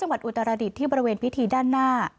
จังหวัดอุตรรดิตที่บริเวณพิธีด้านหน้า